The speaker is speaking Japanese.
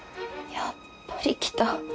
やっぱりきた。